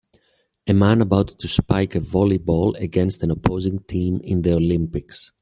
A man about to spike a volleyball against an opposing team in the Olympics.